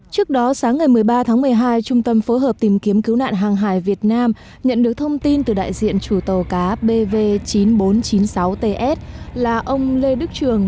trước đó sáng ngày một mươi ba tháng một mươi hai trung tâm phối hợp tìm kiếm cứu nạn hàng hải việt nam nhận được thông tin từ đại diện chủ tàu cá bv chín nghìn bốn trăm chín mươi sáu ts là ông lê đức trường